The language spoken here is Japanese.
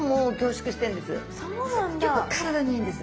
すっギョく体にいいんです。